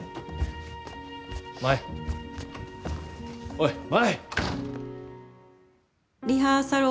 おい、舞。